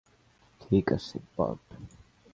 ঠিক আছে, বার্ট।